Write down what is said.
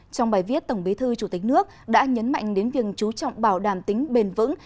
trong bài viết tổng bí thư chủ tịch nước đã nhấn mạnh đến việc chú trọng bảo đảm tính bền vững